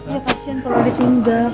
ya kasian kalau ditinggal